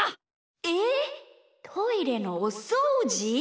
えっトイレのおそうじ！？